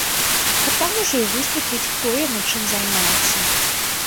А там ужо і высветліць, хто ён і чым займаецца.